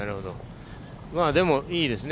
でもいいですね。